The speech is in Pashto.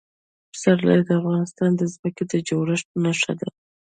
پسرلی د افغانستان د ځمکې د جوړښت نښه ده.